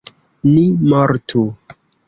Ni mortu!